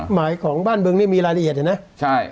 หมายของบ้านบึงนี้มีรายละเอียดเห็นไหม